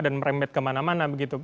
dan merembet kemana mana begitu